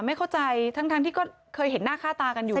ไม่เข้าใจทั้งที่ก็เคยเห็นหน้าค่าตากันอยู่